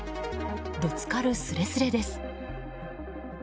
ぶつかるすれすれです。